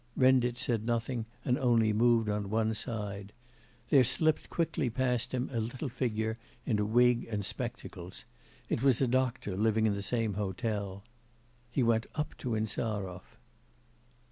Renditch said nothing and only moved on one side. There slipped quickly past him a little figure in a wig and spectacles; it was a doctor living in the same hotel. He went up to Insarov.